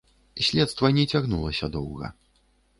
Следства не цягнулася доўга.